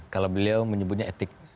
kalau beliau menyebutnya etik